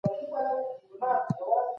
ایا خصوصي سکتور تجارت پراخ کړی و؟